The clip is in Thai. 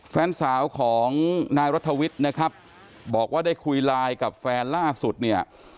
แฟนสาวของนายรัฐวิทย์นะครับบอกว่าได้คุยไลน์กับแฟนล่าสุดเนี่ย